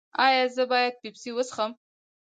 ایا زه باید پیپسي وڅښم؟